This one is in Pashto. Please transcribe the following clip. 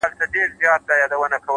o شپه كي هم خوب نه راځي جانه زما ـ